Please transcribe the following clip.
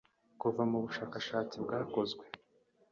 Kuva mu bushakashatsi bwakozwe